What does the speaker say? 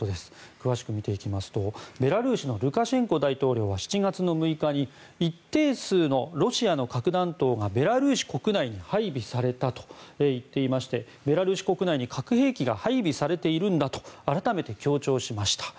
詳しく見ていきますとベラルーシのルカシェンコ大統領は７月６日に一定数のロシアの核弾頭がベラルーシ国内に配備されたと言っていましてベラルーシ国内に核兵器が配備されているんだと改めて強調しました。